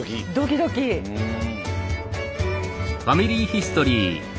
うん。